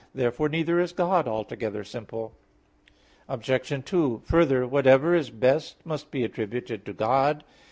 Therefore neither is God altogether simple. Obj. 2: Further, whatever is best must be attributed to God.